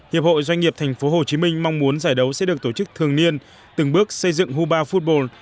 hiệp hội doanh nghiệp tp hcm mong muốn giải đấu sẽ được tổ chức thường niên từng bước xây dựng huba football